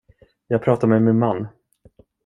Jag pratar med min man.